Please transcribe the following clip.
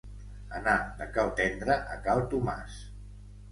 Anar de cal Tendre a cal Tomàs.